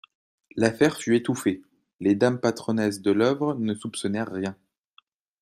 L'affaire fut étouffée, les dames patronnesses de l'oeuvre ne soupçonnèrent rien.